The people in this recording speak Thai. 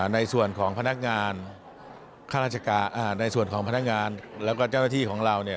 ในส่วนของพนักงานและเจ้าหน้าที่ของเรา